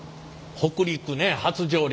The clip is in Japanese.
北陸ね初上陸。